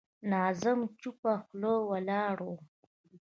ناظم چوپه خوله ولاړ و.